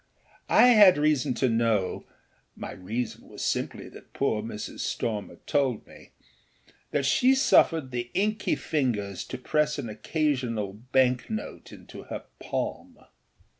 I had reason to know (my reason was simply that poor Mrs. Stormer told me) that she suffered the inky fingers to press an occasional bank note into her palm.